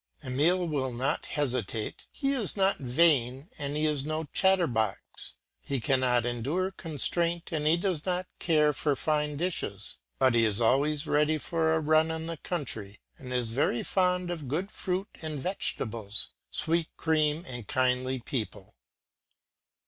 Emile will not hesitate; he is not vain and he is no chatterbox; he cannot endure constraint, and he does not care for fine dishes; but he is always ready for a run in the country and is very fond of good fruit and vegetables, sweet cream and kindly people.